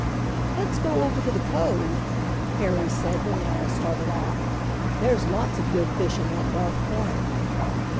"Let's go over to the cove," Harry said when they all started off. "There's lots of good fish in that dark corner."